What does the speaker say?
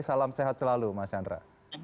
salam sehat selalu mas chandra